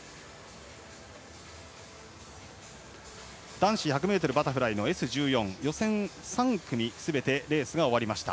男子１００ｍバタフライのＳ１４予選３組すべてレースが終わりました。